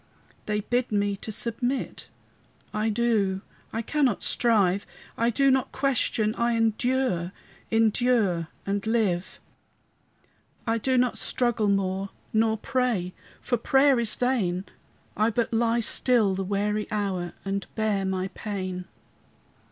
They bid me to submit; I do, I cannot strive; I do not question, I endure, Endure and live. I do not struggle more, Nor pray, for prayer is vain; I but lie still the weary hour, And bear my pain.